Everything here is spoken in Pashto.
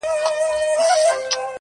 د لوړتیا د محبوب وصل را حاصل سي!!